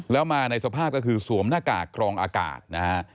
แล้วมาในสภาพก็คือสวมหน้ากากรองอากาศนะฮะ